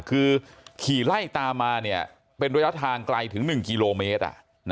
คือขี่ไล่ตามมาเป็นระยะทางไกลถึง๑กิโลเมตร